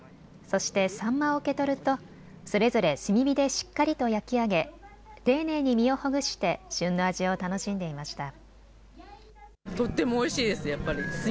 そしてサンマを受け取るとそれぞれ炭火でしっかりと焼き上げ、丁寧に身をほぐして旬の味を楽しんでいました。